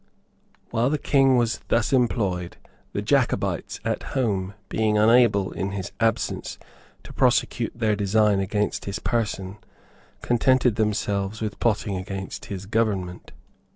While the King was thus employed, the Jacobites at home, being unable, in his absence, to prosecute their design against his person, contented themselves with plotting against his government.